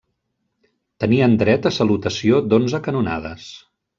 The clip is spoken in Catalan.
Tenien dret a salutació d'onze canonades.